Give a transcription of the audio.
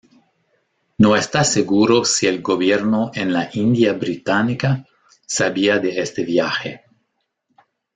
No está seguro si el gobierno en la India británica sabía de este viaje.